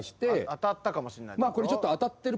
当たったかもしんない。